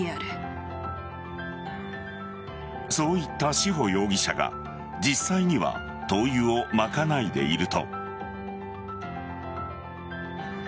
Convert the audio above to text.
そういった志保容疑者が実際には灯油をまかないでいると。